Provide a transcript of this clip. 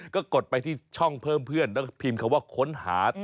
ก็กดไปที่ช่องเพิ่มเพื่อนแล้วก็พิมพ์คำว่าค้นหา